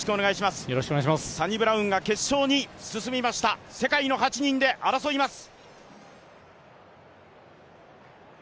サニブラウンが決勝に進みました、世界の８人で争います。